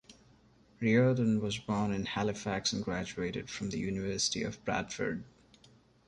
Riordan was born in Halifax and graduated from the University of Bradford.